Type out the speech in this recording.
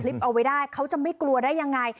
เอาไว้ได้เขาจะไม่กลัวได้ยังไง